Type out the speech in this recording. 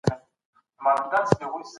آيا موږ کولای سو حالات بدل کړو؟